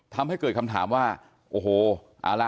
ทำให้เกิดคำถามว่าโอ้โหเอาละ